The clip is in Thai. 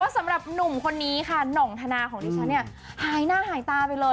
สำหรับหนุ่มคนนี้ค่ะหน่องธนาของดิฉันเนี่ยหายหน้าหายตาไปเลย